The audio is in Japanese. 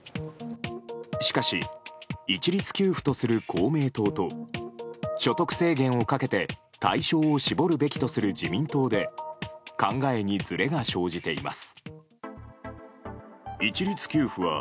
しかし、一律給付とする公明党と所得制限をかけて対象を絞るべきとする自民党で考えにずれが生じています。